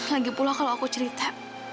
lagi pula kalau aku cerita